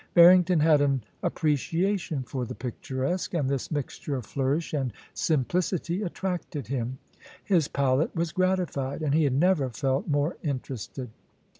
Barrington had an appre ciation for the picturesque, and this mixture of flourish and simplicity attracted him; his palate was gratifled, and he had never felt more interested.